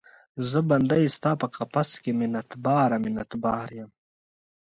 زه بندۍ ستا په قفس کې، منت باره، منت بار یم